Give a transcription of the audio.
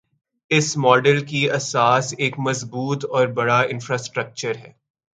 اس model کی اساس ایک مضبوط اور بڑا انفراسٹرکچر ہے۔